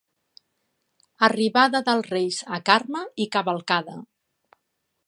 Arribada dels Reis a Carme i cavalcada.